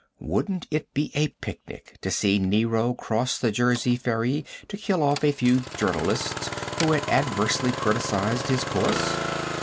Wouldn't it be a picnic to see Nero cross the Jersey ferry to kill off a few journalists who had adversely criticised his course?